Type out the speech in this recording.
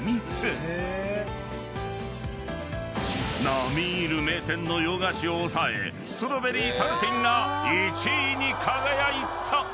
［並み居る名店の洋菓子を抑えストロベリータルティンが１位に輝いた］